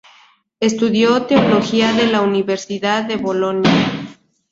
Estudió teología en la Universidad de Bolonia.